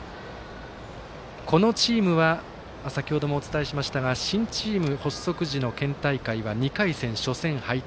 このチームは先ほどもお伝えしましたが新チーム発足時の県大会は２回戦、初戦敗退。